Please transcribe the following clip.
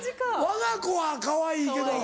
わが子はかわいいけど。